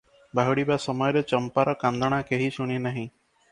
ବାହୁଡ଼ିବା ସମୟରେ ଚମ୍ପାର କାନ୍ଦଣା କେହି ଶୁଣିନାହିଁ ।